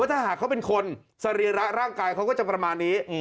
ถ้าหากเขาเป็นคนสรีระร่างกายเขาก็จะประมาณนี้